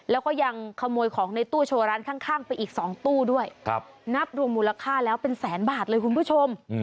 แล้วก็ยังขโมยของในตู้โชว์ร้านข้างไปอีก๒ตู้ด้วยนับรวมมูลค่าแล้วเป็นแสนบาทเลยคุณผู้ชม